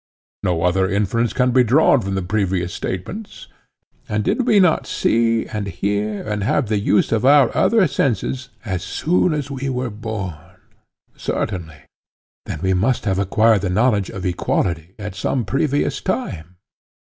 No other inference can be drawn from the previous statements. And did we not see and hear and have the use of our other senses as soon as we were born? Certainly. Then we must have acquired the knowledge of equality at some previous time?